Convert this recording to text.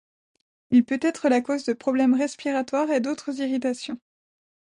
Il peut être la cause de problèmes respiratoires et d'autres irritations.